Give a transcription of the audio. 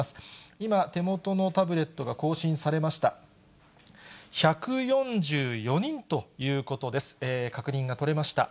今、手元のタブレットが更新されました。